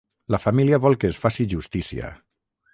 La família vol que es faci justícia.